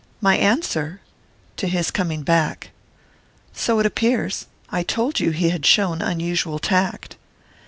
"My answer ?" "To his coming back " "So it appears. I told you he had shown unusual tact."